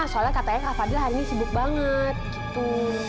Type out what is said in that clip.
soalnya katanya kak fadil hari ini sibuk banget gitu